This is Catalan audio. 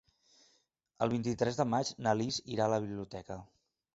El vint-i-tres de maig na Lis irà a la biblioteca.